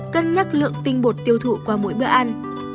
cân nhắc lượng tinh bột tiêu thụ qua mỗi bữa ăn